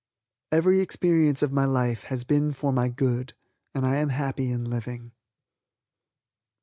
Every experience of my life has been for my good and I am happy in living.